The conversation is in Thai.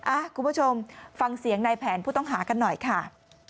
คุณผู้ชมฟังเสียงนายแผนผู้ต้องหากันหน่อยค่ะ